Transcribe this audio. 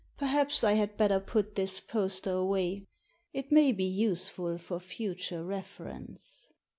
Perhaps I had better put this poster away. It may be useful for future reference."